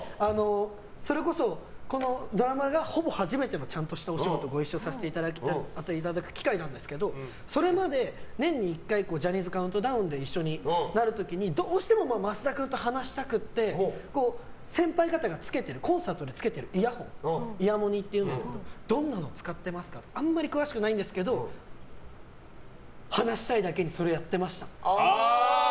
それこそ、このドラマがほぼ初めてのちゃんとしたお仕事ご一緒させていただいた機会なんですけどそれまで年に１回ジャニーズカウントダウンで一緒になる時にどうしても増田君と話したくて先輩方がコンサートでつけてるイヤホンイヤモニっていうんですけどどんなの使ってますか？とかあんまり詳しくないけど話したいだけにそれやってました。